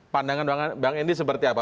pandangan bang endi seperti apa